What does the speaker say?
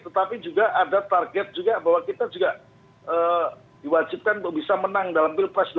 tetapi juga ada target juga bahwa kita juga diwajibkan bisa menang dalam pilpres dua ribu dua puluh empat